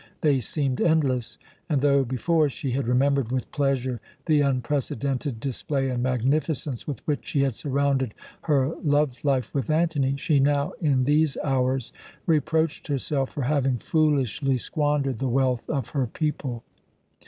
They seemed endless; and though before she had remembered with pleasure the unprecedented display and magnificence with which she had surrounded her love life with Antony, she now in these hours reproached herself for having foolishly squandered the wealth of her people.